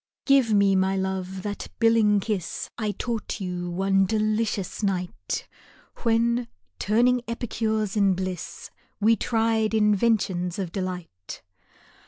GIVE me, my lc" e, that billing kiss I taught you one delicious night, When, turning epicures in bliss, We tried inventions of delight.